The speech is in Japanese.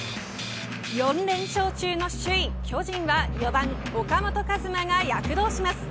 ４連勝中の首位、巨人は４番、岡本和真が躍動します。